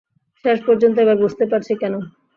শেষ পর্যন্ত এবার বুঝতে পারছি, কেন।